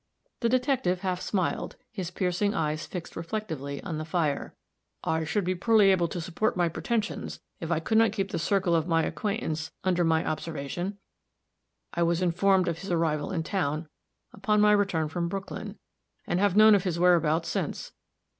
The detective half smiled, his piercing eyes fixed reflectively on the fire. "I should be poorly able to support my pretensions, if I could not keep the circle of my acquaintance under my observation. I was informed of his arrival in town, upon my return from Brooklyn, and have known of his whereabouts since.